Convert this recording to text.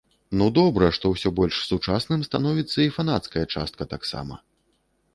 Ну добра, што ўсё больш сучасным становіцца, і фанацкая частка таксама.